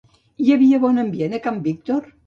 Hi havia bon ambient a can Víctor?